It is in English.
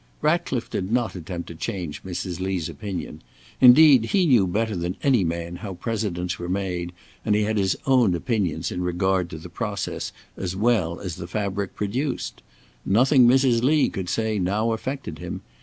Ratcliffe did not attempt to change Mrs. Lee's opinion. Indeed he knew better than any man how Presidents were made, and he had his own opinions in regard to the process as well as the fabric produced. Nothing Mrs. Lee could say now affected him.